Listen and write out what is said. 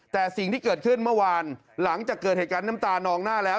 แต่สิ่งที่เกิดขึ้นเมื่อวานหลังจากเกิดเหตุการณ์น้ำตานองหน้าแล้ว